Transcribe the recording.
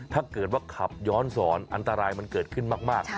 ถ้าเกิดว่าขับย้อนสอนอันตรายมันเกิดขึ้นมาก